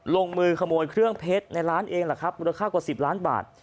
ลงมือขโมยเครื่องเพชรในร้านเองแหละครับมูลค่ากว่า๑๐ล้านบาท